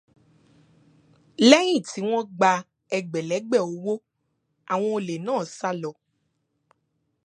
Lẹ́yìn tí wọ́n gba ẹgbẹ̀lẹ́gbẹ̀ owó, àwọn olè náà sálọ.